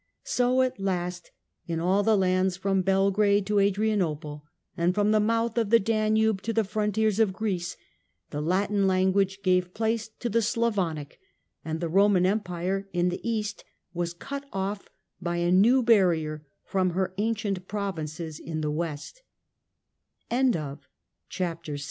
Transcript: So at last, in all the lands from Belgrade to Adrianople, and from the mouth of the Danube to the frontiers of Greece, the Latin language gave place to the Slavonic, and the Roman Empire in the east was cut off by a new barrier from her ancient